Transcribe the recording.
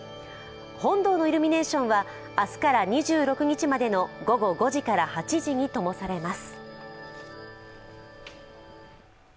本堂のイルミネーションは明日から２６日までの午後５時から８時にともされます。